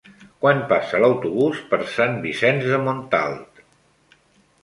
Quan passa l'autobús per Sant Vicenç de Montalt?